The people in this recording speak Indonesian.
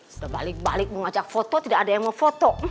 sudah balik balik mau ngajak foto tidak ada yang mau foto